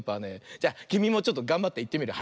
じゃきみもちょっとがんばっていってみるよ。